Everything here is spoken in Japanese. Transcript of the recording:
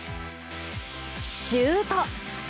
シュート！